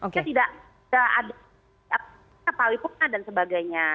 kita tidak ada kita paling pernah dan sebagainya